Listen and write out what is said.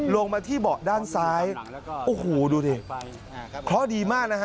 ลงมาที่เบาะด้านซ้ายโอ้โหดูดิเคราะห์ดีมากนะฮะ